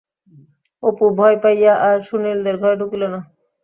অপু ভয় পাইয়া আর সুনীলদের ঘরে ঢুকিল না।